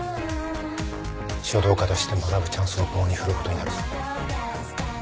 書道家として学ぶチャンスを棒に振ることになるぞ。